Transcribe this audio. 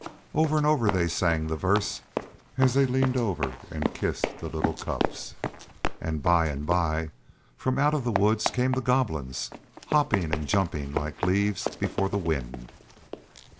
Over and over they sang the verse as they leaned over and kissed the little Cups, and by and by from out of the woods came the Goblins, hopping and jumping like leaves before the wind.